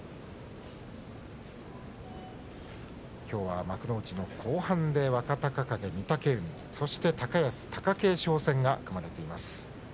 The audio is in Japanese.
きょうは幕内の後半で若隆景に御嶽海そして、貴景勝高安戦が組まれています。